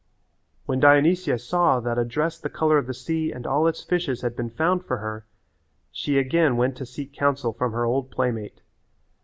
When Dionysia saw that a dress the colour of the sea and all its fishes had been found for her she again went to seek counsel from her old playmate.